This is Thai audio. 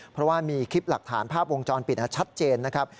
เพราะว่ามีคลิปหลักฐานภาพวงจรปิดชัดเจนนะครับ